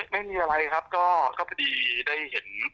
ไม่มีอะไรครับก็พอดีได้เห็น